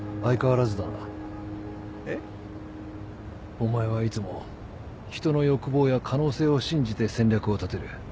お前はいつも人の欲望や可能性を信じて戦略を立てる。